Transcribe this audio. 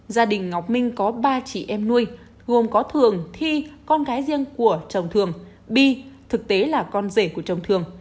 gia đình ngọc minh có ba chị em nuôi gồm có thường thi con gái riêng của chồng thường bi thực tế là con rể của chồng thường